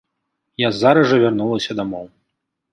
Я зараз жа вярнулася дамоў.